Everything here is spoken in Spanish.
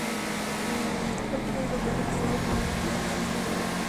Fue el primer europeo registrado en poner un pie en la isla Wrangel.